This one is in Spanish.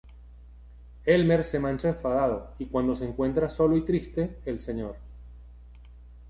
Elmer se marcha enfadado, y cuando se encuentra solo y triste, el Sr.